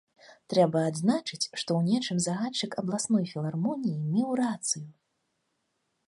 Трэба адзначыць, што ў нечым загадчык абласной філармоніі меў рацыю.